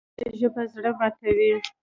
تنده ژبه زړه ماتوي